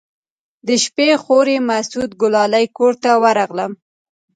د شپې خوريي مسعود ګلالي کور ته ورغلم.